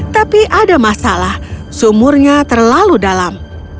tapi ada masalah sumurnya terlalu dalam